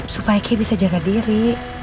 supaya kie bisa jaga diri